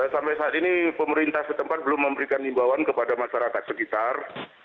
sampai saat ini pemerintah setempat belum memberikan imbauan kepada masyarakat sekitar